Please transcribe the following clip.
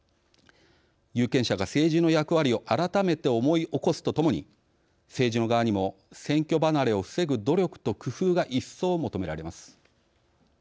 有権者が政治の役割を改めて思い起こすとともに政治の側にも選挙離れを防ぐ努力と工夫が一層、求められます。